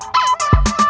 kau mau kemana